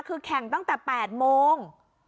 คือแข่งตั้งแต่๘โมง